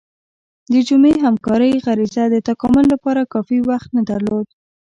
د جمعي همکارۍ غریزه د تکامل لپاره کافي وخت نه درلود.